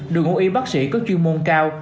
đội ngũ y bác sĩ có chuyên môn cao